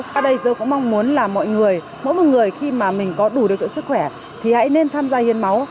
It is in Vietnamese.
và đây tôi cũng mong muốn là mỗi người khi mà mình có đủ được sức khỏe thì hãy nên tham gia hiến máu